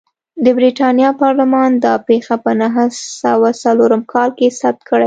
د برېټانیا پارلمان دا پېښه په نهه سوه څلورم کال کې ثبت کړې ده.